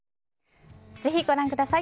ぜひご覧ください。